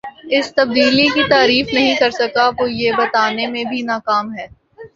اس تبدیلی کی تعریف نہیں کر سکا وہ یہ بتانے میں بھی ناکام ہے